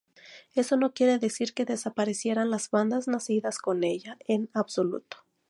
Eso no quiere decir que desaparecieran las bandas nacidas con ella, en absoluto.